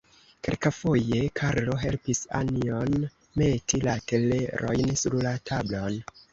Kelkafoje Karlo helpis Anjon meti la telerojn sur la tablon.